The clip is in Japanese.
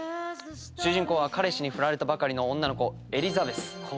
主人公は彼氏にフラれたばかりの女の子エリザベス。